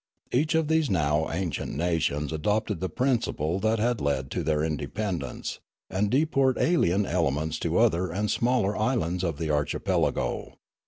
Each of these now ancient nations adopted the principle that had led to their independ ence, and deport alien elements to other and smaller islands of the archipelago.